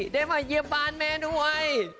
ได้มาเยี่ยมบ้านแม่ด้วย